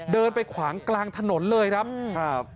เดินไปขวางกลางถนนเลยครับครับ